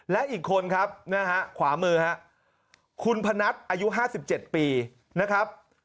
และอีกคนครับนะฮะขวามือฮะคุณพนัทอายุ๕๗ปีนะครับ